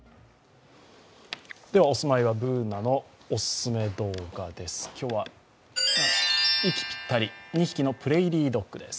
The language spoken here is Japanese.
おしまいはＢｏｏｎａのオススメ動画です。